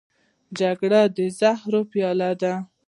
جګړه د زهرو پیاله ده